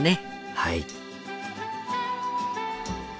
はい。